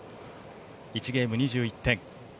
１ゲーム２１点。